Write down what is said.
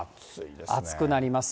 暑くなります。